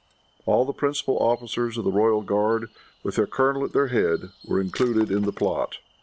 All the principal officers of the royal guard, with their colonel at their head, were included in the plot.